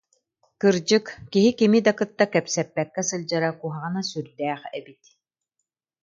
Кырдьык, киһи кими да кытта кэпсэппэккэ сылдьара куһаҕана сүрдээх эбит